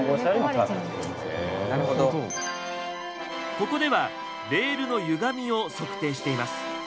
ここではレールのゆがみを測定しています。